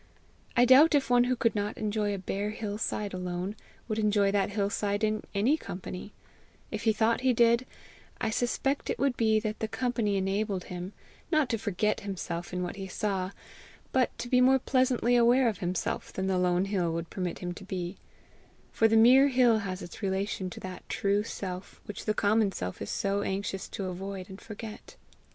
I doubt if one who could not enjoy a bare hill side alone, would enjoy that hill side in any company; if he thought he did, I suspect it would be that the company enabled him, not to forget himself in what he saw, but to be more pleasantly aware of himself than the lone hill would permit him to be; for the mere hill has its relation to that true self which the common self is so anxious to avoid and forget.